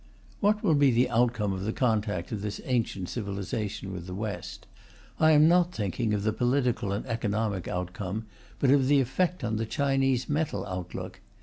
What will be the outcome of the contact of this ancient civilization with the West? I am not thinking of the political or economic outcome, but of the effect on the Chinese mental outlook.